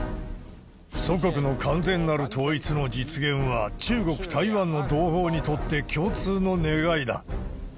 祖国の完全なる統一の実現は、中国台湾の同胞にとって共通の願いだ。